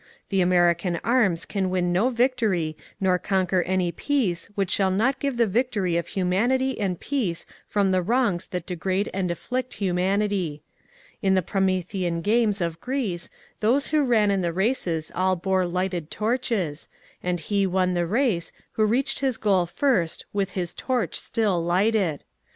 The American arms can win no victory nor conquer any peace which shall not be the victory of humanity and peace from the wrongs that degrade and afflict humanity. In the Promethean games of Greece those who ran in the races all bore light^ torches, and he won the race who reached the goal first with his torch still lighted.